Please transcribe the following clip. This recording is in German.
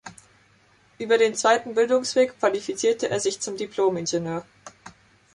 Über den zweiten Bildungsweg qualifizierte er sich zum Dipl-Ing.